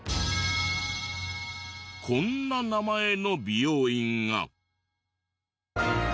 こんな名前の美容院が。